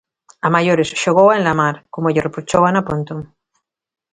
A maiores, xogou a enlamar, como lle reprochou Ana Pontón.